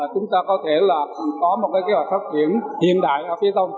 chúng ta có thể là có một kế hoạch phát triển hiện đại ở phía đông